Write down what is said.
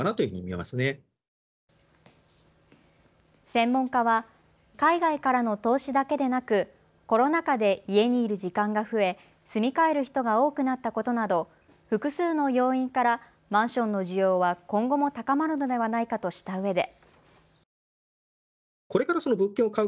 専門家は海外からの投資だけでなく、コロナ禍で家にいる時間が増え、住み替える人が多くなったことなど複数の要因からマンションの需要は今後も高まるのではないかとしたうえで。